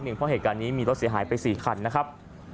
เพราะเหตุการณ์นี้มีรถเสียหายไป๔คันนะครับ